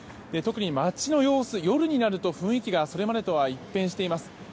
特に街の様子、夜になると雰囲気がそれまでとは一変しています。